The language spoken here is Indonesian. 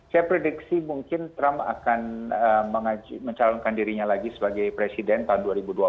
saya prediksi mungkin trump akan mencalonkan dirinya lagi sebagai presiden tahun dua ribu dua puluh